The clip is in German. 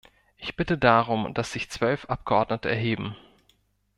Ich bitte darum, dass sich zwölf Abgeordnete erheben.